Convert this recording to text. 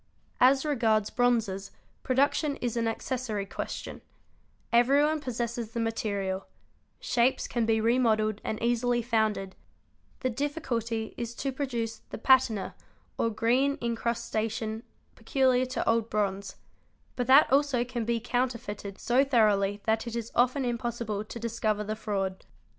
As regards bronzes, production is an accessory question; everyone possesses the material; shapes can be remodelled and easily founded ; the difficulty is to produce the patina or green incrustation peculiar to old bronze; but that also can be counterfeited so thoroughly that it is often impossible to discover the fraud.